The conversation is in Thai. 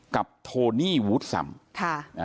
กับโทนี่วุฒร์สำ